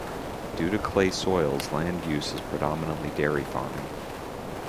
Due to the clay soils, land use is predominantly dairy farming.